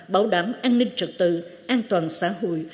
bảo đảm an ninh trật tự an toàn xã hội